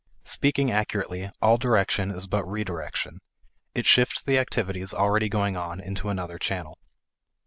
Speaking accurately, all direction is but re direction; it shifts the activities already going on into another channel.